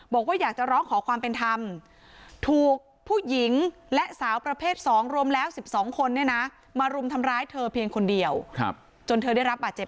บอกว่าอยากจะร้องขอความเป็นธรรมถูกผู้หญิงและสาวประเภท๒รวมแล้ว๑๒คนเนี่ยนะ